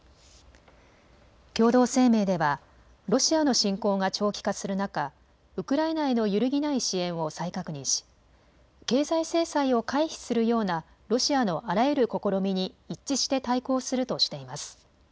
共同声明ではロシアの侵攻が長期化する中、ウクライナへの揺るぎない支援を再確認し経済制裁を回避するようなロシアのあらゆる試みに一致して対抗するとしています。